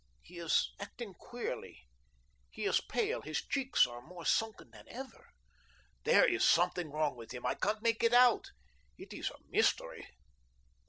He is acting queerly. He is pale; his cheeks are more sunken than ever. There is something wrong with him. I can't make it out. It is a mystery.